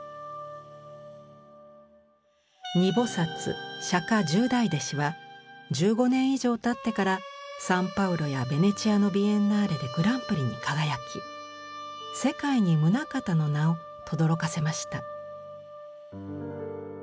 「二菩釈十大弟子」は１５年以上たサンパウロやベネチアのビエンナーレでグランプリに輝き世界に棟方の名をとどろかせました。